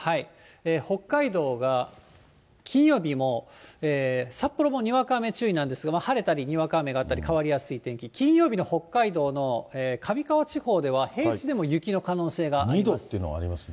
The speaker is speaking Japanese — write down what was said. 北海道が金曜日も、札幌もにわか雨注意なんですが、晴れたりにわか雨があったり、変わりやすい天気、金曜日の北海道のかみかわ地方では平地でも雪の可能性があります。